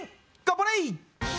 頑張れ！